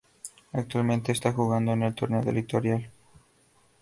Actualmente, esta jugando el Torneo del Litoral.